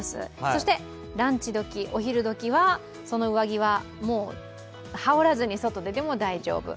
そしてランチ時、お昼時はその上着は羽織らなくても大丈夫。